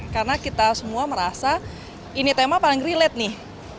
karena kita semua merasa ini tema paling relate nih